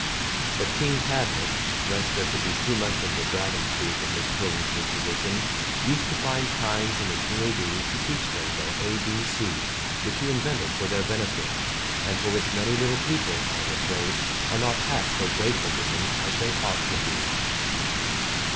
But King Cadmus, lest there should be too much of the dragon's tooth in his children's disposition, used to find time from his kingly duties to teach them their A B C which he invented for their benefit, and for which many little people, I am afraid, are not half so grateful to him as they ought to be.